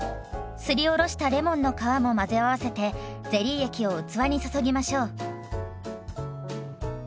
すりおろしたレモンの皮も混ぜ合わせてゼリー液を器に注ぎましょう。